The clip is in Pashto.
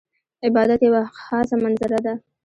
عبادت یوه خاضه منظره ده .